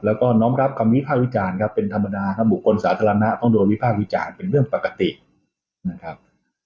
แล้วก็น้อมรับคำวิภาควิจารณ์ครับเป็นธรรมดาครับบุคคลสาธารณะต้องโดนวิพากษ์วิจารณ์เป็นเรื่องปกตินะครับ